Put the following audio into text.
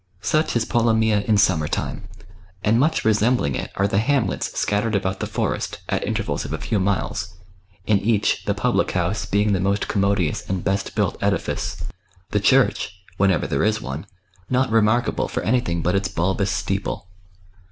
Such is Polomyja in summer time, and much resembling it are the hamlets scattered about the forest, at intervals of a few miles ; in each, the public house being the most commodious and best built edifice, the 16 242 THE BOOK OF WERE WOLVES. church, whenever there is one, not remarkable for any thing but its bulbous steeple.